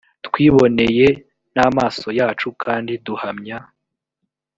twiboneye e n amaso yacu kandi duhamya